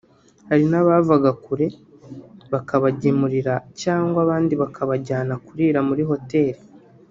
hari n’abavaga kure bakabagemurira cyangwa abandi bakabajyana kurira muri hoteli